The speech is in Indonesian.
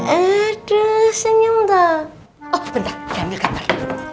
aduh senyum tuh oh bentar